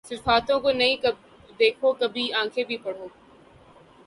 صرف ہاتھوں کو نہ دیکھو کبھی آنکھیں بھی پڑھو